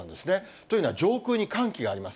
というのは、上空に寒気があります。